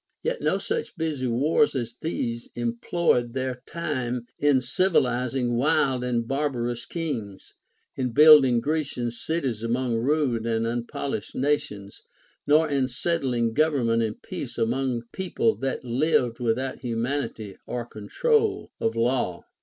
Yet no such busy wars as these employed their time in civilizing wild and barbarous kings, in build ing Grecian cities among rude and unpolished nations, nor in settling government and peace among people that lived without humanity or control of law.